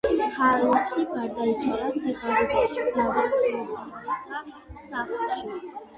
ჰალსი გარდაიცვალა სიღარიბეში, დავრდომილთა სახლში.